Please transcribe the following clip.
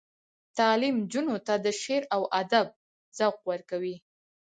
تعلیم نجونو ته د شعر او ادب ذوق ورکوي.